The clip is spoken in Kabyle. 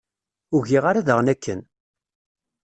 Ur giɣ ara daɣen akken.